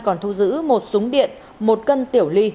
còn thu giữ một súng điện một cân tiểu ly